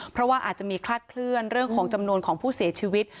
เพราะว่าอาจจะมีคลาดเคลื่อนเรื่องของจำนวนของผู้เสียชีวิต